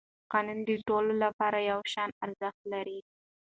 قانون د ټولو لپاره یو شان ارزښت لري